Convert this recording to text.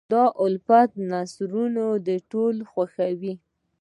د الفت نثرونه د ټولو خوښېږي.